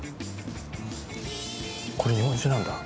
これ日本酒なんだ。